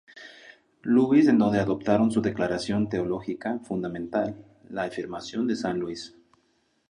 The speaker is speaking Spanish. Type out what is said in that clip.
Louis en donde adoptaron su declaración teológica fundamental, la Afirmación de San Luis.